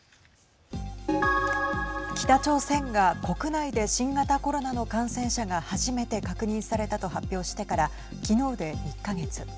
北朝鮮が国内で新型コロナの感染者が初めて確認されたと発表してからきのうで１か月。